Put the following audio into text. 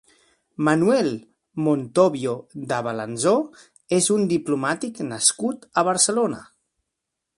Manuel Montobbio de Balanzó és un diplomàtic nascut a Barcelona.